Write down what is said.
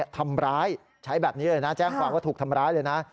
ทำร้ายใช้แบบนี้เลยนะแจ้งความว่าถูกทำร้ายเลยนะ